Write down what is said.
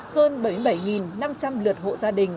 hơn bảy mươi bảy năm trăm linh lượt hộ gia đình